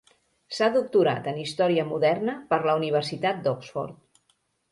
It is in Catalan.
S'ha doctorat en Història Moderna per la Universitat d'Oxford.